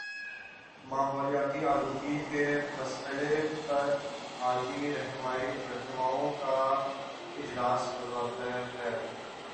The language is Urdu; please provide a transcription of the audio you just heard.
ماحولیاتی آلودگی کے مسئلے پر عالمی رہنماؤں کا اجلاس متوقع ہے